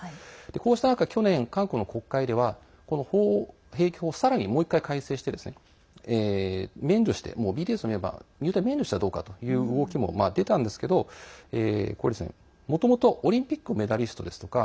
こうした中、去年韓国の国会では兵役法をさらにもう１回改正して免除してＢＴＳのメンバー入隊免除してはどうかという動きも出たんですけどもともと、オリンピックのメダリストですとか